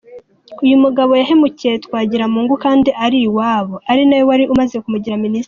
Uyu mugabo yahemukiye Twagiramungu kandi ari uw’iwabo, ari nawe wari umaze kumugira Minisitiri.